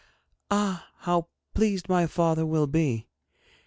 'Ah, how pleased my father will be!